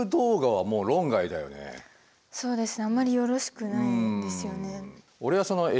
そうですね。